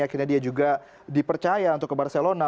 akhirnya dia juga dipercaya untuk ke barcelona